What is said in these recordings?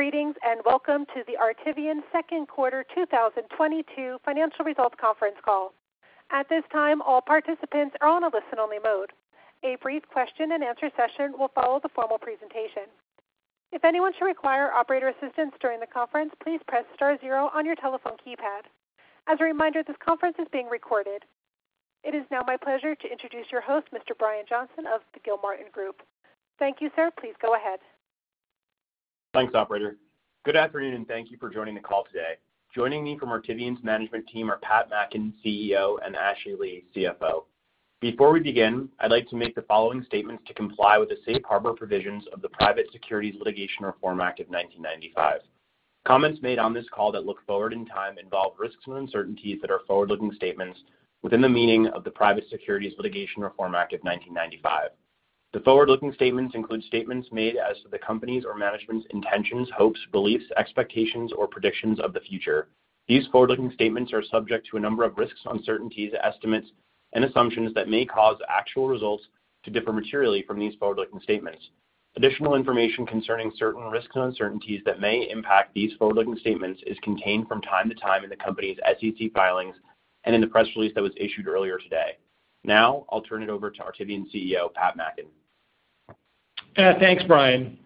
Greetings, and welcome to the Artivion Second Quarter 2022 Financial Results Conference Call. At this time, all participants are on a listen only mode. A brief question and answer session will follow the formal presentation. If anyone should require operator assistance during the conference, please press star zero on your telephone keypad. As a reminder, this conference is being recorded. It is now my pleasure to introduce your host, Mr. Brian Johnston of the Gilmartin Group. Thank you, sir. Please go ahead. Thanks, operator. Good afternoon, and thank you for joining the call today. Joining me from Artivion's management team are Pat Mackin, CEO, and Ashley Lee, CFO. Before we begin, I'd like to make the following statements to comply with the Safe Harbor Provisions of the Private Securities Litigation Reform Act of 1995. Comments made on this call that look forward in time involve risks and uncertainties that are forward-looking statements within the meaning of the Private Securities Litigation Reform Act of 1995. The forward-looking statements include statements made as to the company's or management's intentions, hopes, beliefs, expectations, or predictions of the future. These forward-looking statements are subject to a number of risks, uncertainties, estimates, and assumptions that may cause actual results to differ materially from these forward-looking statements. Additional information concerning certain risks and uncertainties that may impact these forward-looking statements is contained from time to time in the company's SEC filings and in the press release that was issued earlier today. Now I'll turn it over to Artivion CEO, Pat Mackin. Thanks, Brian.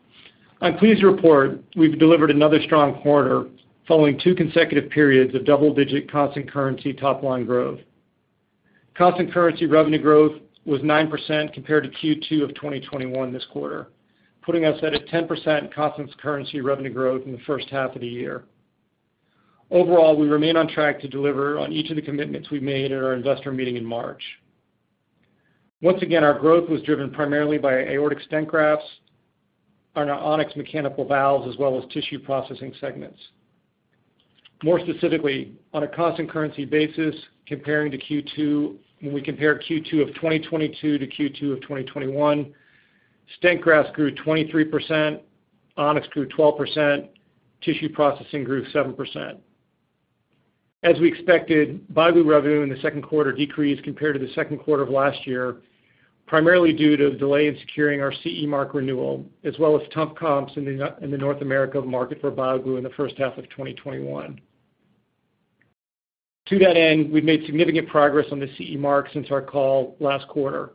I'm pleased to report we've delivered another strong quarter following two consecutive periods of double-digit constant currency top line growth. Constant currency revenue growth was 9% compared to Q2 of 2021 this quarter, putting us at a 10% constant currency revenue growth in the first half of the year. Overall, we remain on track to deliver on each of the commitments we made at our investor meeting in March. Once again, our growth was driven primarily by aortic stent grafts and our On-X mechanical valves as well as tissue processing segments. More specifically, on a constant currency basis, when we compare Q2 of 2022 to Q2 of 2021, stent grafts grew 23%, On-X grew 12%, tissue processing grew 7%. As we expected, BioGlue revenue in the second quarter decreased compared to the second quarter of last year, primarily due to delay in securing our CE marking renewal as well as tough comps in the North America market for BioGlue in the first half of 2021. To that end, we've made significant progress on the CE marking since our call last quarter.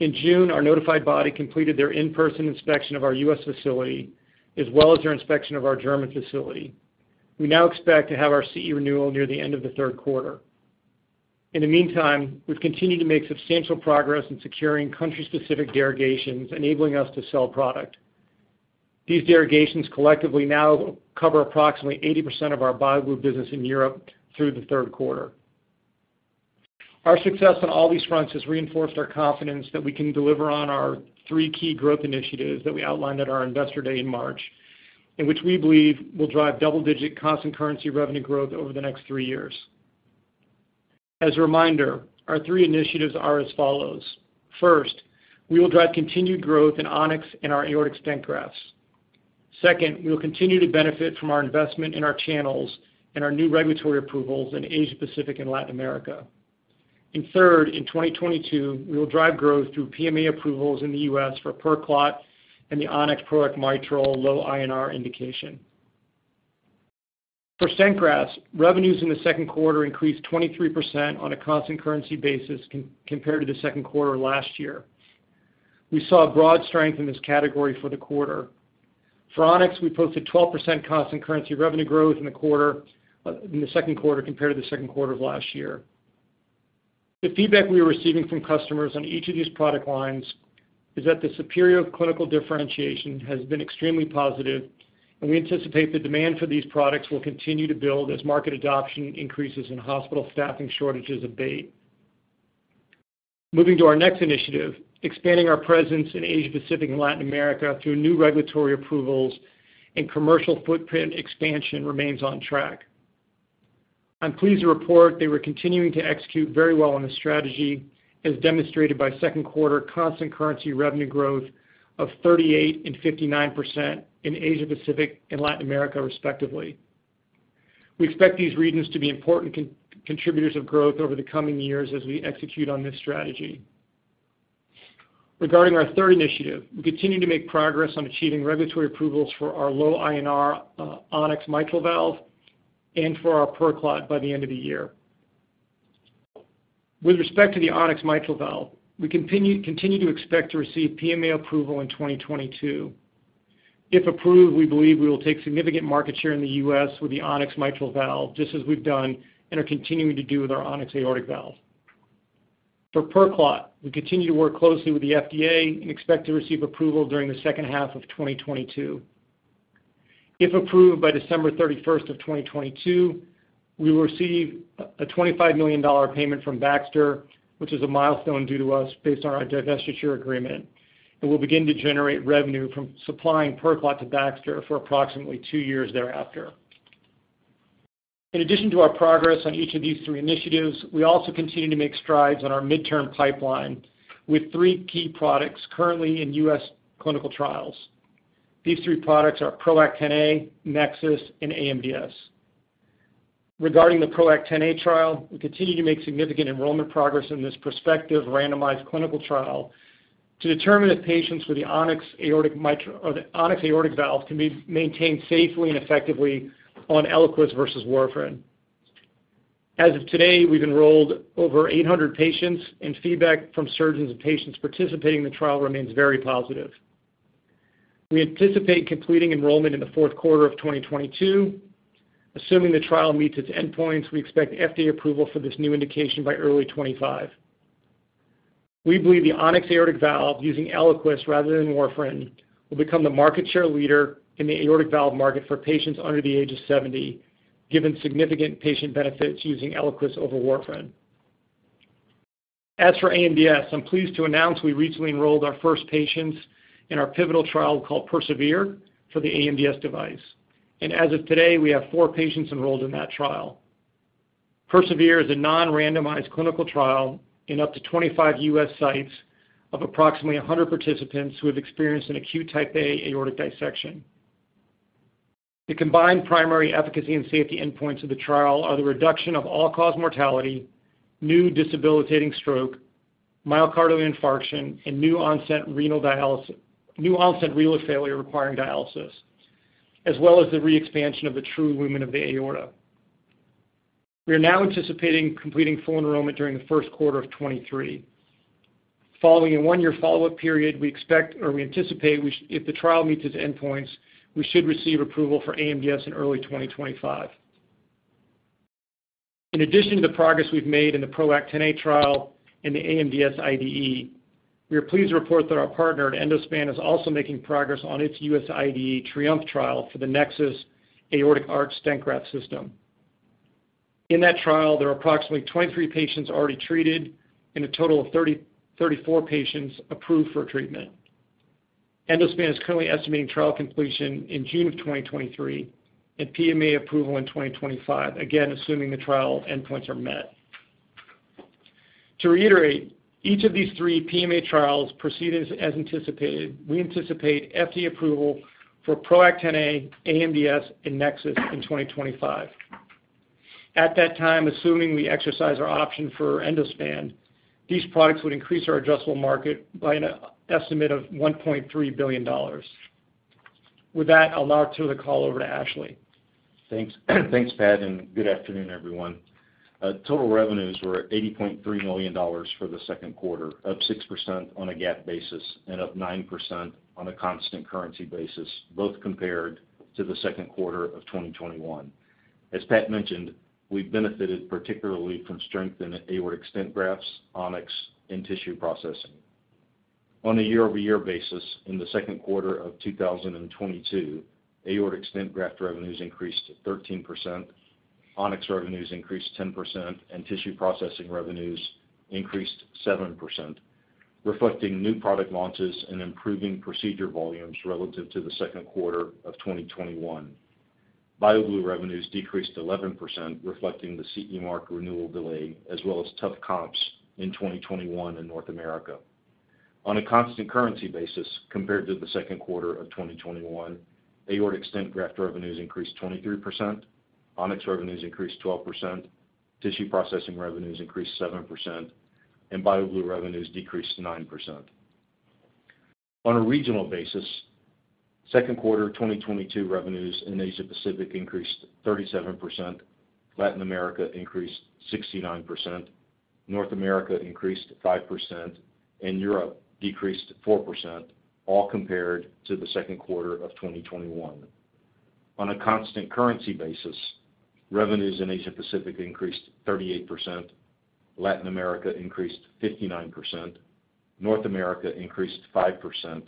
In June, our notified body completed their in-person inspection of our U.S. facility as well as their inspection of our German facility. We now expect to have our CE renewal near the end of the third quarter. In the meantime, we've continued to make substantial progress in securing country-specific derogations enabling us to sell product. These derogations collectively now cover approximately 80% of our BioGlue business in Europe through the third quarter. Our success on all these fronts has reinforced our confidence that we can deliver on our three key growth initiatives that we outlined at our Investor Day in March, in which we believe will drive double-digit constant currency revenue growth over the next three years. As a reminder, our three initiatives are as follows. First, we will drive continued growth in On-X and our aortic stent grafts. Second, we will continue to benefit from our investment in our channels and our new regulatory approvals in Asia Pacific and Latin America. Third, in 2022, we will drive growth through PMA approvals in the U.S. for PerClot and the On-X PROACT Mitral low INR indication. For stent grafts, revenues in the second quarter increased 23% on a constant currency basis compared to the second quarter last year. We saw broad strength in this category for the quarter. For On-X, we posted 12% constant currency revenue growth in the second quarter compared to the second quarter of last year. The feedback we are receiving from customers on each of these product lines is that the superior clinical differentiation has been extremely positive, and we anticipate the demand for these products will continue to build as market adoption increases and hospital staffing shortages abate. Moving to our next initiative, expanding our presence in Asia Pacific and Latin America through new regulatory approvals and commercial footprint expansion remains on track. I'm pleased to report that we're continuing to execute very well on this strategy, as demonstrated by second quarter constant currency revenue growth of 38% and 59% in Asia Pacific and Latin America, respectively. We expect these regions to be important contributors of growth over the coming years as we execute on this strategy. Regarding our third initiative, we continue to make progress on achieving regulatory approvals for our low INR On-X Mitral valve and for our PerClot by the end of the year. With respect to the On-X Mitral valve, we continue to expect to receive PMA approval in 2022. If approved, we believe we will take significant market share in the U.S. with the On-X Mitral valve, just as we've done and are continuing to do with our On-X aortic valve. For PerClot, we continue to work closely with the FDA and expect to receive approval during the second half of 2022. If approved by December 31, 2022, we will receive a $25 million payment from Baxter, which is a milestone due to us based on our divestiture agreement, and we'll begin to generate revenue from supplying PerClot to Baxter for approximately two years thereafter. In addition to our progress on each of these three initiatives, we also continue to make strides on our midterm pipeline with three key products currently in U.S. clinical trials. These three products are PROACT Xa, NEXUS, and AMDS. Regarding the PROACT Xa trial, we continue to make significant enrollment progress in this prospective randomized clinical trial to determine if patients with the On-X aortic valve can be maintained safely and effectively on Eliquis versus warfarin. As of today, we've enrolled over 800 patients, and feedback from surgeons and patients participating in the trial remains very positive. We anticipate completing enrollment in the fourth quarter of 2022. Assuming the trial meets its endpoints, we expect FDA approval for this new indication by early 2025. We believe the On-X Aortic Valve, using Eliquis rather than warfarin, will become the market share leader in the aortic valve market for patients under the age of 70, given significant patient benefits using Eliquis over warfarin. As for AMDS, I'm pleased to announce we recently enrolled our first patients in our pivotal trial called PERSEVERE for the AMDS device. As of today, we have four patients enrolled in that trial. PERSEVERE is a non-randomized clinical trial in up to 25 U.S. sites of approximately 100 participants who have experienced an acute Type A aortic dissection. The combined primary efficacy and safety endpoints of the trial are the reduction of all-cause mortality, new debilitating stroke, myocardial infarction, and new onset renal failure requiring dialysis, as well as the re-expansion of the true lumen of the aorta. We are now anticipating completing full enrollment during the first quarter of 2023. Following a one-year follow-up period, we expect or we anticipate, if the trial meets its endpoints, we should receive approval for AMDS in early 2025. In addition to the progress we've made in the PROACT Xa trial and the AMDS IDE, we are pleased to report that our partner at Endospan is also making progress on its U.S. IDE TRIOMPHE trial for the NEXUS Aortic Arch Stent Graft System. In that trial, there are approximately 23 patients already treated and a total of 34 patients approved for treatment. Endospan is currently estimating trial completion in June 2023 and PMA approval in 2025, again, assuming the trial endpoints are met. To reiterate, each of these three PMA trials proceeded as anticipated. We anticipate FDA approval for PROACT Xa, AMDS, and NEXUS in 2025. At that time, assuming we exercise our option for Endospan, these products would increase our addressable market by an estimate of $1.3 billion. With that, I'll now turn the call over to Ashley Lee. Thanks. Thanks, Pat, and good afternoon, everyone. Total revenues were $80.3 million for the second quarter, up 6% on a GAAP basis and up 9% on a constant currency basis, both compared to the second quarter of 2021. As Pat mentioned, we benefited particularly from strength in aortic stent grafts, On-X, and tissue processing. On a year-over-year basis, in the second quarter of 2022, aortic stent graft revenues increased 13%, On-X revenues increased 10%, and tissue processing revenues increased 7%, reflecting new product launches and improving procedure volumes relative to the second quarter of 2021. BioGlue revenues decreased 11%, reflecting the CE marking renewal delay as well as tough comps in 2021 in North America. On a constant currency basis, compared to the second quarter of 2021, aortic stent graft revenues increased 23%, On-X revenues increased 12%, tissue processing revenues increased 7%, and BioGlue revenues decreased 9%. On a regional basis, second quarter 2022 revenues in Asia Pacific increased 37%, Latin America increased 69%, North America increased 5%, and Europe decreased 4%, all compared to the second quarter of 2021. On a constant currency basis, revenues in Asia Pacific increased 38%, Latin America increased 59%, North America increased 5%,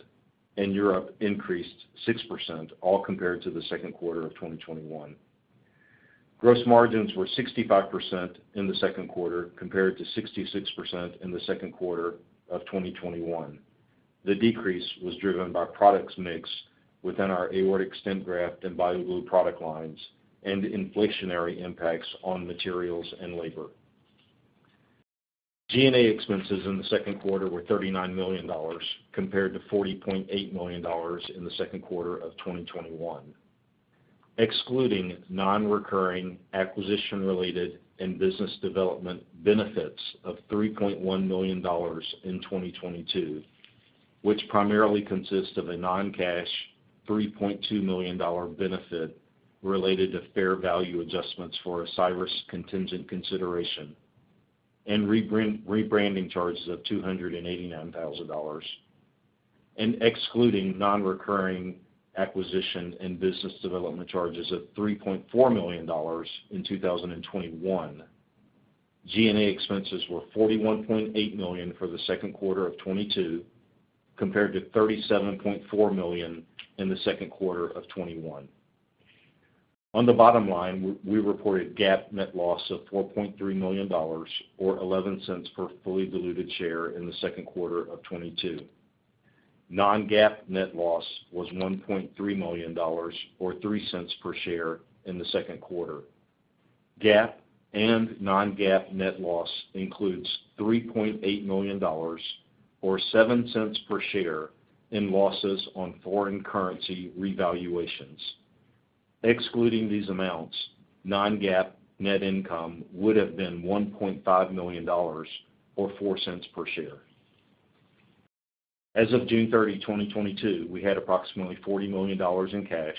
and Europe increased 6%, all compared to the second quarter of 2021. Gross margins were 65% in the second quarter compared to 66% in the second quarter of 2021. The decrease was driven by product mix within our aortic stent graft and BioGlue product lines and inflationary impacts on materials and labor. G&A expenses in the second quarter were $39 million compared to $40.8 million in the second quarter of 2021. Excluding non-recurring acquisition-related and business development benefits of $3.1 million in 2022, which primarily consist of a non-cash $3.2 million benefit related to fair value adjustments for a CryoLife contingent consideration and rebranding charges of $289,000 and excluding non-recurring acquisition and business development charges of $3.4 million in 2021, G&A expenses were $41.8 million for the second quarter of 2022 compared to $37.4 million in the second quarter of 2021. On the bottom line, we reported GAAP net loss of $4.3 million or $0.11 per fully diluted share in the second quarter of 2022. Non-GAAP net loss was $1.3 million or $0.03 per share in the second quarter. GAAP and non-GAAP net loss includes $3.8 million or $0.07 per share in losses on foreign currency revaluations. Excluding these amounts, non-GAAP net income would have been $1.5 million or $0.04 per share. As of June 30, 2022, we had approximately $40 million in cash,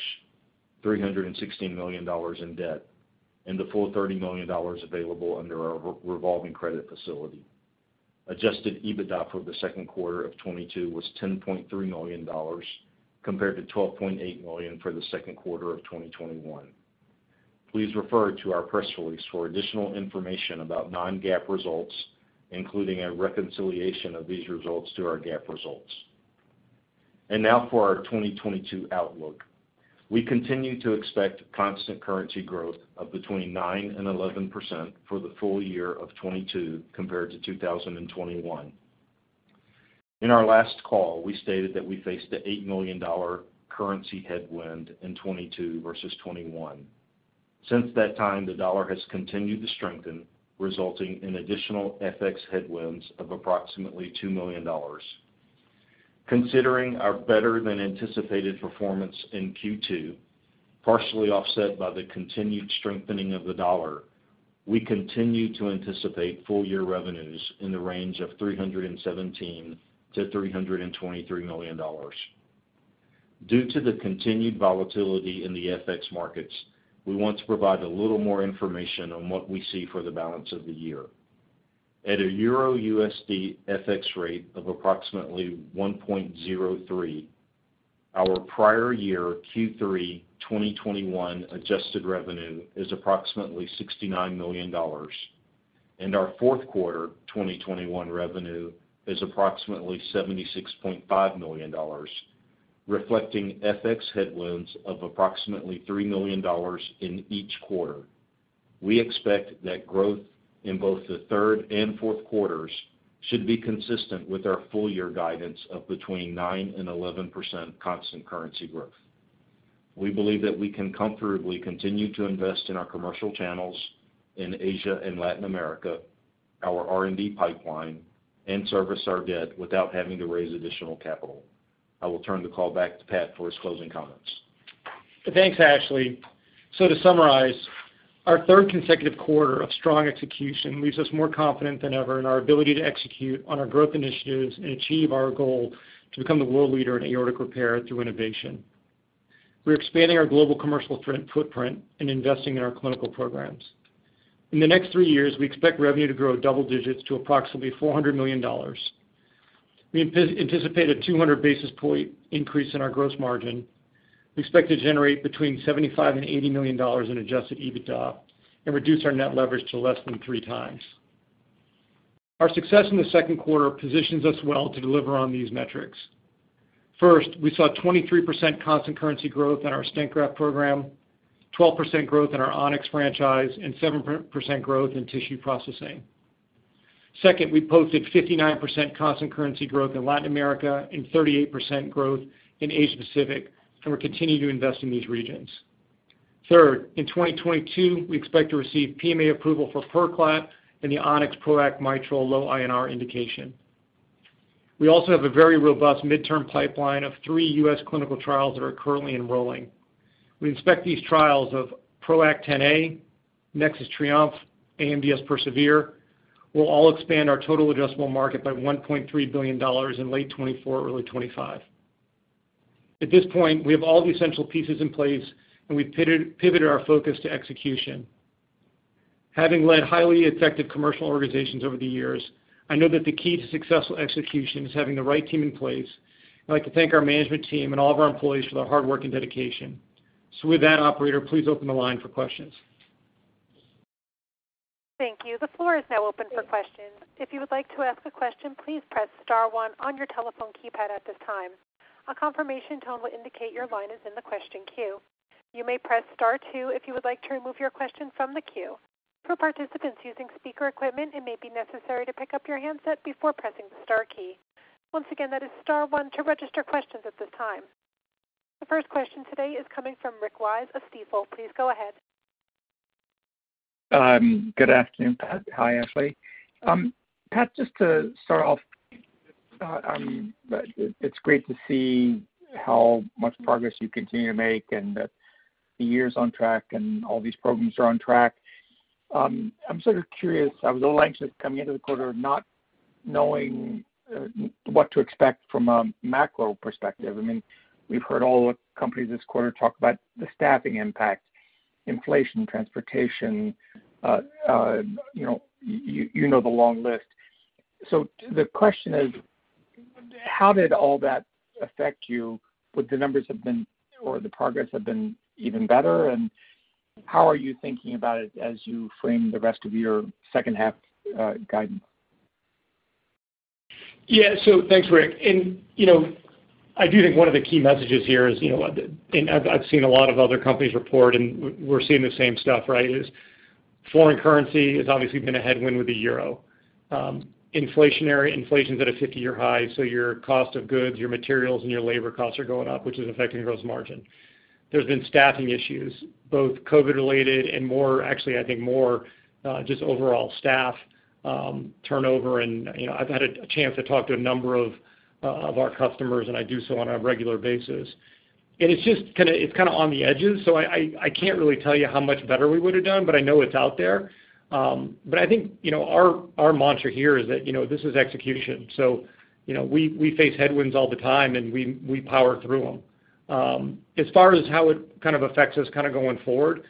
$316 million in debt, and the full $30 million available under our revolving credit facility. Adjusted EBITDA for the second quarter of 2022 was $10.3 million compared to $12.8 million for the second quarter of 2021. Please refer to our press release for additional information about non-GAAP results, including a reconciliation of these results to our GAAP results. Now for our 2022 outlook. We continue to expect constant currency growth of between 9% and 11% for the full year of 2022 compared to 2021. In our last call, we stated that we faced an $8 million currency headwind in 2022 versus 2021. Since that time, the dollar has continued to strengthen, resulting in additional FX headwinds of approximately $2 million. Considering our better than anticipated performance in Q2, partially offset by the continued strengthening of the dollar, we continue to anticipate full year revenues in the range of $317 million-$323 million. Due to the continued volatility in the FX markets, we want to provide a little more information on what we see for the balance of the year. At a euro USD FX rate of approximately 1.03, our prior year Q3 2021 adjusted revenue is approximately $69 million, and our fourth quarter 2021 revenue is approximately $76.5 million, reflecting FX headwinds of approximately $3 million in each quarter. We expect that growth in both the third and fourth quarters should be consistent with our full year guidance of between 9% and 11% constant currency growth. We believe that we can comfortably continue to invest in our commercial channels in Asia and Latin America, our R&D pipeline, and service our debt without having to raise additional capital. I will turn the call back to Pat for his closing comments. Thanks, Ashley. To summarize, our third consecutive quarter of strong execution leaves us more confident than ever in our ability to execute on our growth initiatives and achieve our goal to become the world leader in aortic repair through innovation. We're expanding our global commercial footprint and investing in our clinical programs. In the next three years, we expect revenue to grow double digits to approximately $400 million. We anticipate a 200 basis point increase in our gross margin. We expect to generate between $75 million and $80 million in Adjusted EBITDA and reduce our net leverage to less than 3x. Our success in the second quarter positions us well to deliver on these metrics. First, we saw 23% constant currency growth in our stent graft program, 12% growth in our On-X franchise, and 7% growth in tissue processing. Second, we posted 59% constant currency growth in Latin America and 38% growth in Asia Pacific, and we're continuing to invest in these regions. Third, in 2022, we expect to receive PMA approval for PerClot and the On-X PROACT Mitral low INR indication. We also have a very robust midterm pipeline of 3 U.S. clinical trials that are currently enrolling. We expect these trials of PROACT Aortic, NEXUS TRIOMPHE, AMDS PERSEVERE, will all expand our total addressable market by $1.3 billion in late 2024, early 2025. At this point, we have all the essential pieces in place, and we've pivoted our focus to execution. Having led highly effective commercial organizations over the years, I know that the key to successful execution is having the right team in place. I'd like to thank our management team and all of our employees for their hard work and dedication. With that, operator, please open the line for questions. Thank you. The floor is now open for questions. If you would like to ask a question, please press star one on your telephone keypad at this time. A confirmation tone will indicate your line is in the question queue. You may press star two if you would like to remove your question from the queue. For participants using speaker equipment, it may be necessary to pick up your handset before pressing the star key. Once again, that is star one to register questions at this time. The first question today is coming from Rick Wise of Stifel. Please go ahead. Good afternoon, Pat. Hi, Ashley. Pat, just to start off, it's great to see how much progress you continue to make and that the year's on track and all these programs are on track. I'm sort of curious, I was a little anxious coming into the quarter not knowing what to expect from a macro perspective. I mean, we've heard all the companies this quarter talk about the staffing impact, inflation, transportation, you know the long list. So the question is, how did all that affect you? Would the numbers have been, or the progress have been even better? How are you thinking about it as you frame the rest of your second half guidance? Yeah. Thanks, Rick. You know, I do think one of the key messages here is, you know, I've seen a lot of other companies report, and we're seeing the same stuff, right? Foreign currency has obviously been a headwind with the euro. Inflation's at a 50-year high, so your cost of goods, your materials, and your labor costs are going up, which is affecting gross margin. There's been staffing issues, both COVID related and more, actually, I think more just overall staff turnover, and you know, I've had a chance to talk to a number of our customers, and I do so on a regular basis. It's just kinda on the edges, so I can't really tell you how much better we would've done, but I know it's out there. I think, you know, our mantra here is that, you know, this is execution. You know, we face headwinds all the time, and we power through them. As far as how it kind of affects us kinda going forward,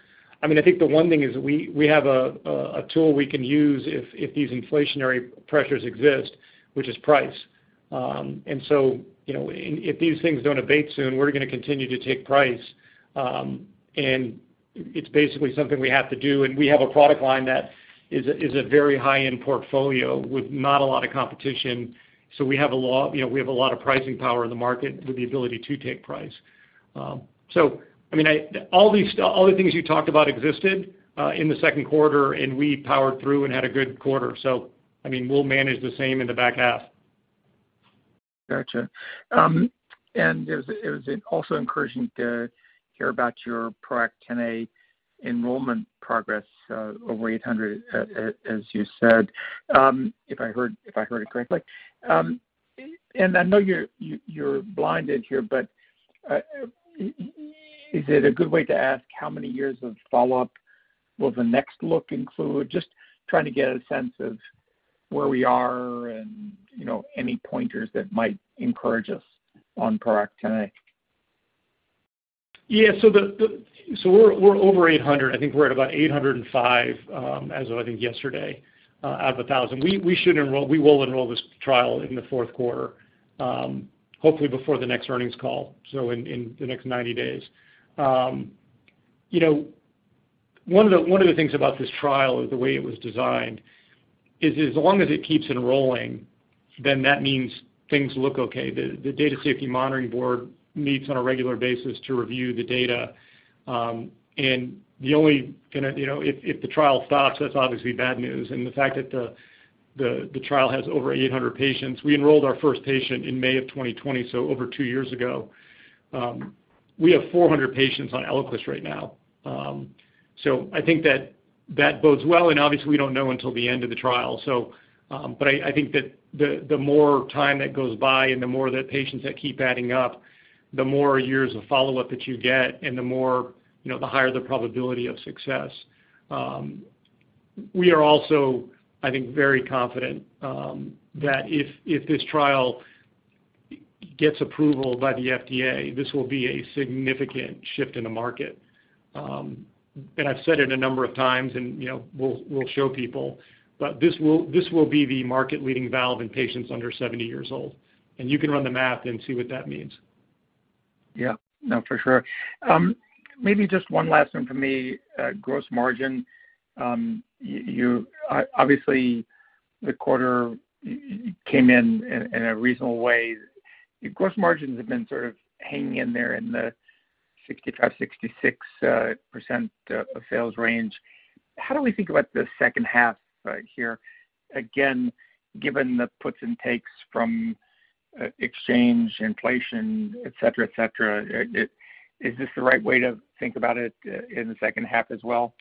I mean, I think the one thing is we have a tool we can use if these inflationary pressures exist, which is price. You know, if these things don't abate soon, we're gonna continue to take price, and it's basically something we have to do. We have a product line that is a very high-end portfolio with not a lot of competition, so we have a lot, you know, we have a lot of pricing power in the market with the ability to take price. I mean, I... All these, all the things you talked about existed in the second quarter, and we powered through and had a good quarter. I mean, we'll manage the same in the back half. Gotcha. It was also encouraging to hear about your PROACT Xa enrollment progress, over 800, as you said, if I heard it correctly. I know you're blinded here, but is it a good way to ask how many years of follow-up will the next look include? Just trying to get a sense of where we are and, you know, any pointers that might encourage us on PROACT Xa. We're over 800. I think we're at about 805, as of, I think, yesterday, out of 1,000. We will enroll this trial in the fourth quarter, hopefully before the next earnings call, so in the next 90 days. You know, one of the things about this trial or the way it was designed is as long as it keeps enrolling, then that means things look okay. The data safety monitoring board meets on a regular basis to review the data. You know, if the trial stops, that's obviously bad news. The fact that the trial has over 800 patients, we enrolled our first patient in May 2020, so over two years ago. We have 400 patients on Eliquis right now. I think that bodes well, and obviously, we don't know until the end of the trial. I think that the more time that goes by and the more the patients that keep adding up, the more years of follow-up that you get and the more, you know, the higher the probability of success. We are also, I think, very confident, that if this trial gets approval by the FDA, this will be a significant shift in the market. I've said it a number of times, and, you know, we'll show people, but this will be the market-leading valve in patients under 70 years old, and you can run the math and see what that means. Yeah. No, for sure. Maybe just one last one for me. Gross margin. Obviously, the quarter came in a reasonable way. Gross margins have been sort of hanging in there in the 65%-66% sales range. How do we think about the second half here, again, given the puts and takes from FX, inflation, et cetera, et cetera? Is this the right way to think about it in the second half as well?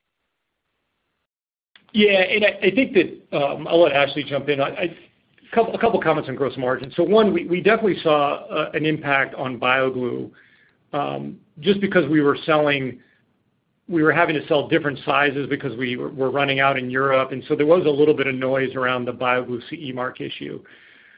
Yeah. I think that I'll let Ashley jump in. A couple comments on gross margin. One, we definitely saw an impact on BioGlue, just because we were having to sell different sizes because we're running out in Europe, and so there was a little bit of noise around the BioGlue CE marking issue.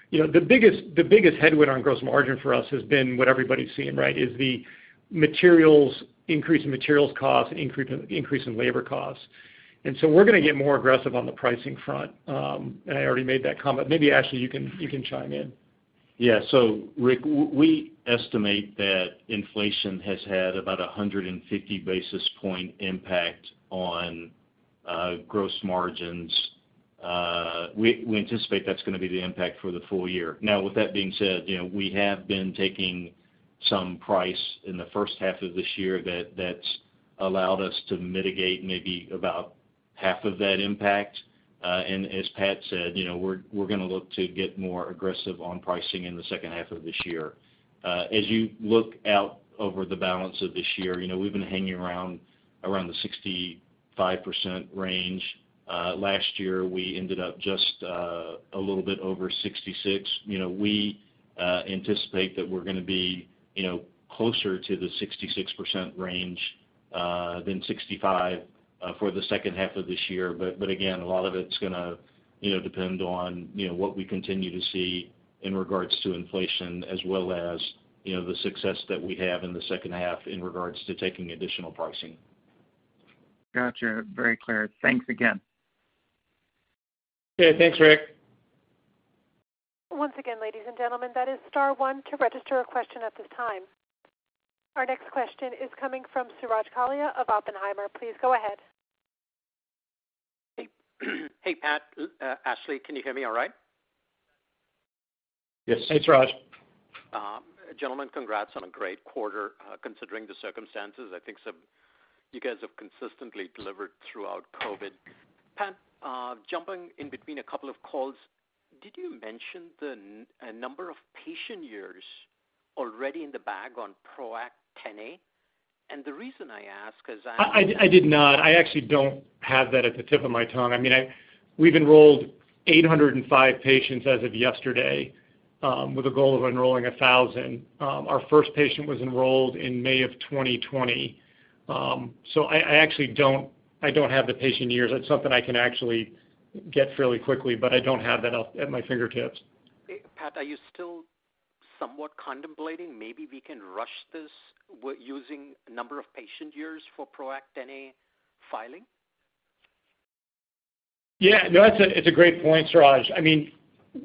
You know, the biggest headwind on gross margin for us has been what everybody's seeing, right, is the increase in materials cost, increase in labor costs. We're gonna get more aggressive on the pricing front, and I already made that comment. Maybe, Ashley, you can chime in. Yeah. Rick, we estimate that inflation has had about 150 basis point impact on gross margins. We anticipate that's gonna be the impact for the full year. Now, with that being said, you know, we have been taking some price in the first half of this year that's allowed us to mitigate maybe about half of that impact. And as Pat said, you know, we're gonna look to get more aggressive on pricing in the second half of this year. As you look out over the balance of this year, you know, we've been hanging around the 65% range. Last year, we ended up just a little bit over 66%. You know, we anticipate that we're gonna be, you know, closer to the 66% range than 65% for the second half of this year. Again, a lot of it's gonna, you know, depend on, you know, what we continue to see in regards to inflation as well as, you know, the success that we have in the second half in regards to taking additional pricing. Gotcha. Very clear. Thanks again. Okay. Thanks, Rick. Once again, ladies and gentlemen, that is star one to register a question at this time. Our next question is coming from Suraj Kalia of Oppenheimer. Please go ahead. Hey. Hey, Pat, Ashley, can you hear me all right? Yes. Hey, Suraj. Gentlemen, congrats on a great quarter, considering the circumstances. I think you guys have consistently delivered throughout COVID. Pat, jumping in between a couple of calls, did you mention the number of patient years already in the bag on PROACT Xa? The reason I ask is, I did not. I actually don't have that at the tip of my tongue. I mean, we've enrolled 805 patients as of yesterday, with a goal of enrolling 1,000. Our first patient was enrolled in May of 2020. I actually don't have the patient years. That's something I can actually get fairly quickly, but I don't have that at my fingertips. Pat, are you still somewhat contemplating maybe we can rush this using a number of patient years for PROACT Xa filing? Yeah, no, it's a great point, Suraj. I mean,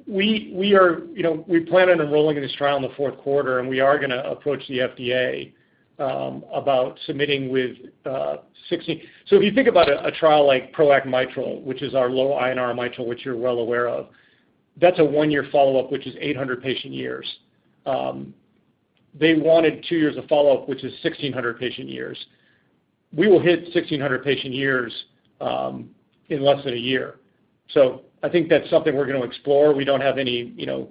we are, you know, we plan on enrolling in this trial in the fourth quarter, and we are gonna approach the FDA about submitting with 16. So if you think about a trial like PROACT Mitral, which is our low INR Mitral, which you're well aware of, that's a one-year follow-up, which is 800 patient years. They wanted two years of follow-up, which is 1,600 patient years. We will hit 1,600 patient years in less than a year. So I think that's something we're gonna explore. We don't have any, you know,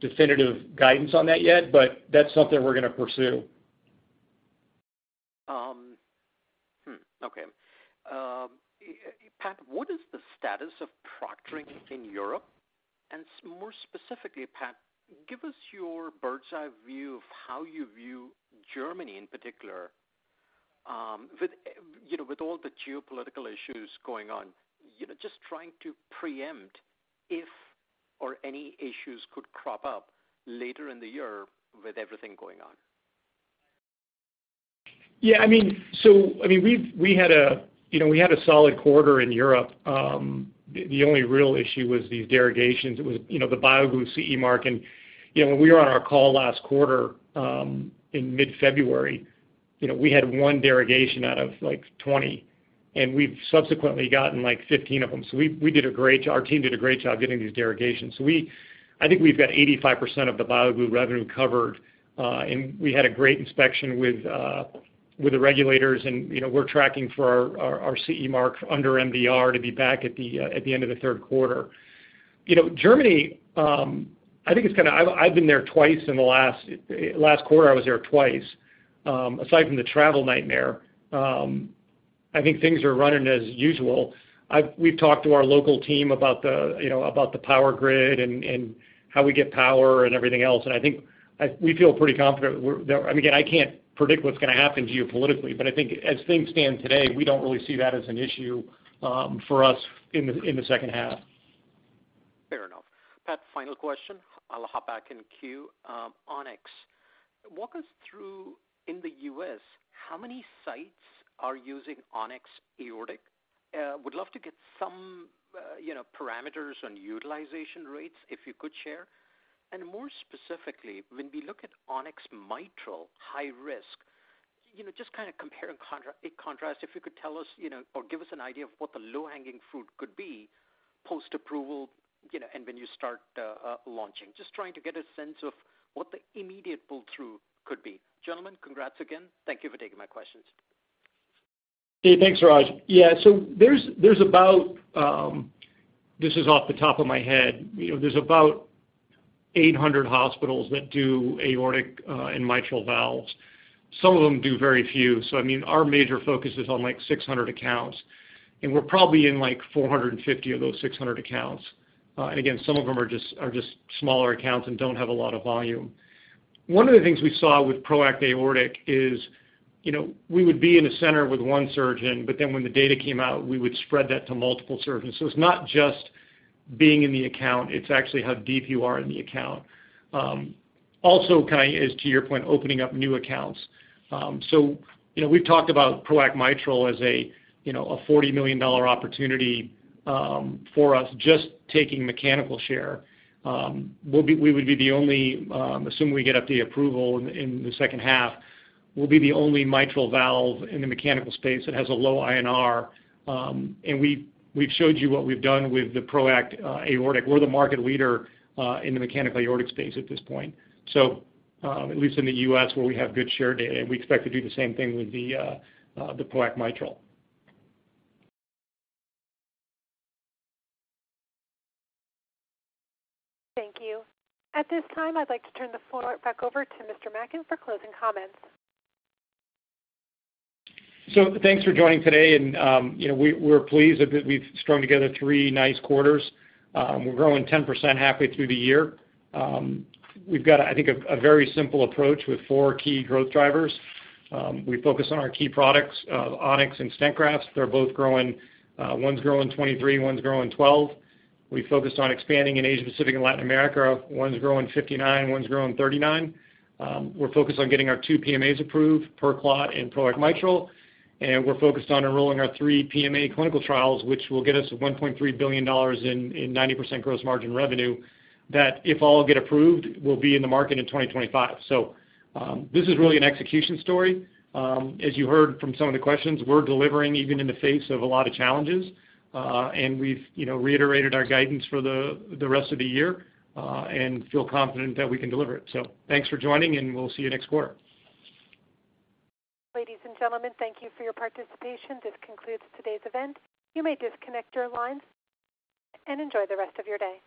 definitive guidance on that yet, but that's something we're gonna pursue. Okay. Pat, what is the status of proctoring in Europe? More specifically, Pat, give us your bird's-eye view of how you view Germany in particular, with, you know, with all the geopolitical issues going on, you know, just trying to preempt if or any issues could crop up later in the year with everything going on. Yeah, I mean, we had a solid quarter in Europe. The only real issue was these derogations. It was, you know, the BioGlue CE marking. You know, when we were on our call last quarter, in mid-February, you know, we had one derogation out of, like, 20, and we've subsequently gotten, like, 15 of them. Our team did a great job getting these derogations. I think we've got 85% of the BioGlue revenue covered, and we had a great inspection with the regulators and, you know, we're tracking for our CE marking under MDR to be back at the end of the third quarter. You know, Germany, I think it's kinda... I've been there twice in the last quarter. I was there twice. Aside from the travel nightmare, I think things are running as usual. We've talked to our local team about, you know, the power grid and how we get power and everything else. I think we feel pretty confident that, I mean, again, I can't predict what's gonna happen geopolitically, but I think as things stand today, we don't really see that as an issue for us in the second half. Fair enough. Pat, final question, I'll hop back in queue. On-X. Walk us through, in the U.S., how many sites are using On-X aortic? Would love to get some, you know, parameters on utilization rates, if you could share. More specifically, when we look at On-X Mitral high risk, you know, just kinda compare and contrast, if you could tell us, you know, or give us an idea of what the low-hanging fruit could be post-approval, you know, and when you start launching. Just trying to get a sense of what the immediate pull-through could be. Gentlemen, congrats again. Thank you for taking my questions. Hey, thanks, Suraj. Yeah, so there's about, this is off the top of my head. You know, there's about 800 hospitals that do aortic and Mitral valves. Some of them do very few. I mean, our major focus is on, like, 600 accounts, and we're probably in, like, 450 of those 600 accounts. And again, some of them are just smaller accounts and don't have a lot of volume. One of the things we saw with PROACT Aortic is, you know, we would be in a center with one surgeon, but then when the data came out, we would spread that to multiple surgeons. It's not just being in the account, it's actually how deep you are in the account. Also, kinda as to your point, opening up new accounts. You know, we've talked about PROACT Mitral as a you know a $40 million opportunity for us just taking mechanical share. We would be the only assuming we get FDA approval in the second half, we'll be the only Mitral valve in the mechanical space that has a low INR. We've showed you what we've done with the PROACT Aortic. We're the market leader in the mechanical aortic space at this point. At least in the U.S. where we have good share data, we expect to do the same thing with the PROACT Mitral. Thank you. At this time, I'd like to turn the floor back over to Mr. Mackin for closing comments. Thanks for joining today and, you know, we're pleased that we've strung together three nice quarters. We're growing 10% halfway through the year. We've got, I think, a very simple approach with four key growth drivers. We focus on our key products, On-X and stent grafts. They're both growing. One's growing 23%, one's growing 12%. We focused on expanding in Asia Pacific and Latin America. One's growing 59%, one's growing 39%. We're focused on getting our two PMAs approved, PerClot and PROACT Mitral. We're focused on enrolling our three PMA clinical trials, which will get us to $1.3 billion in 90% gross margin revenue that, if all get approved, will be in the market in 2025. This is really an execution story. As you heard from some of the questions, we're delivering even in the face of a lot of challenges. We've you know reiterated our guidance for the rest of the year, and feel confident that we can deliver it. Thanks for joining, and we'll see you next quarter. Ladies and gentlemen, thank you for your participation. This concludes today's event. You may disconnect your lines and enjoy the rest of your day.